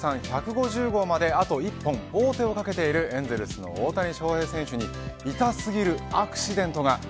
日米通算１５０号まであと１本大手をかけているエンゼルスの大谷翔平選手に痛すぎるアクシデントが。